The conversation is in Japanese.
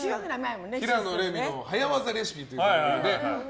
「平野レミの早わざレシピ」という番組でね